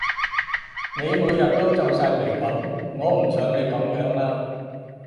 你每日都皺晒眉噉，我唔想你噉樣呀